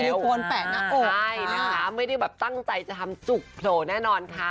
โคนแปะหน้าอกใช่นะคะไม่ได้แบบตั้งใจจะทำจุกโผล่แน่นอนค่ะ